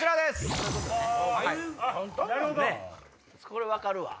これ分かるわ。